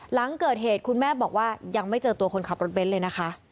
หลังเกิดเหตุคุณแม่บอกว่ายังไม่เจอตัวคนขับรถเบนท์เลยนะคะ